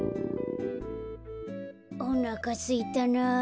おなかすいたな。